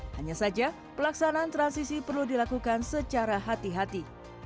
hanya saja pelaksanaan transisi perlu dilakukan secara hati hati